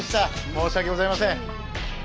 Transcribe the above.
申し訳ございません。